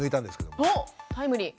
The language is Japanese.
おっタイムリー。